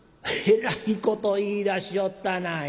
「えらいこと言いだしよったな。